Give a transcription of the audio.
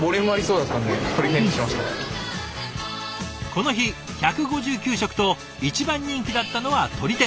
この日１５９食と一番人気だったのは鶏天。